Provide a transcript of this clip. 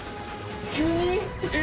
急に！？